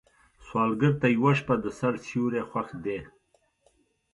سوالګر ته یوه شپه د سر سیوری خوښ دی